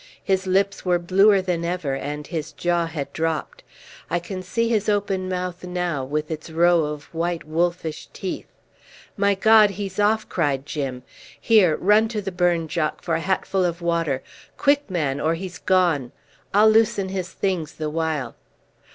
His lips were bluer than ever, and his jaw had dropped. I can see his open mouth now, with its row of white wolfish teeth. "My God, he's off!" cried Jim. "Here, run to the burn. Jock, for a hatful of water. Quick, man, or he's gone! I'll loosen his things the while."